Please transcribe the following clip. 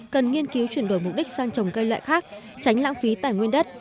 cần nghiên cứu chuyển đổi mục đích sang trồng cây loại khác tránh lãng phí tài nguyên đất